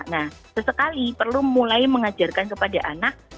nah sesekali perlu mulai mengajarkan kepada anak